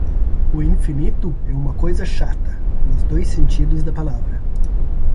O infinito é uma coisa chata, nos dois sentidos da palavra.